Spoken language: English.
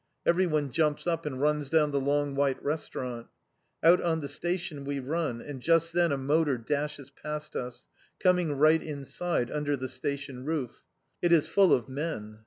Everyone jumps up and runs down the long white restaurant. Out on the station we run, and just then a motor dashes past us, coming right inside, under the station roof. It is full of men.